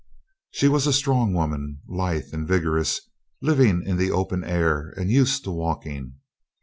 She was a strong woman, lithe and vigorous, living in the open air and used to walking.